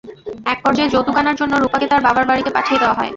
একপর্যায়ে যৌতুক আনার জন্য রুপাকে তার বাবার বাড়িতে পাঠিয়ে দেওয়া হয়।